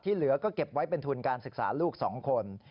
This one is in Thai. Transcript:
เหลือก็เก็บไว้เป็นทุนการศึกษาลูก๒คน